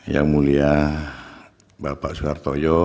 yang mulia bapak soehartoyo